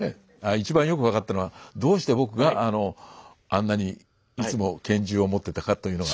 一番よく分かったのはどうして僕があんなにいつも拳銃を持ってたかというのが。